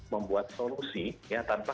membuat solusi tanpa